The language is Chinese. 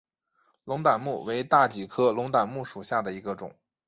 龙胆木为大戟科龙胆木属下的一个种。